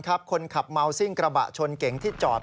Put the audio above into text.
คนขับเมาซิ่งกระบะชนเก๋งที่จอด